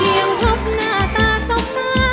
เรียกหพพหน้าตาสมปะ